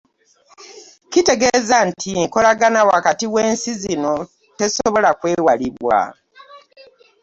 Kitegeeza nti enkolagana wakati w’ensi zino tesobola kwewalibwa.